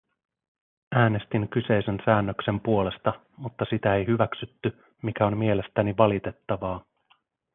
Äänestin kyseisen säännöksen puolesta, mutta sitä ei hyväksytty, mikä on mielestäni valitettavaa.